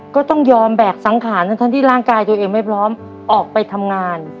ก็ต้องยอมแบกสังขารทั้งที่ร่างกายตัวเองไม่พร้อมออกไปทำงาน